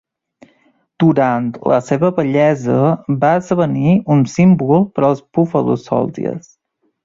Durant la seva vellesa, va esdevenir un símbol per als Buffalo Soldiers.